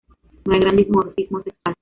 No hay gran dimorfismo sexual.